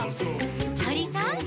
「とりさん！」